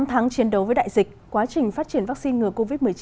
sau tám tháng chiến đấu với đại dịch quá trình phát triển vaccine ngừa covid một mươi chín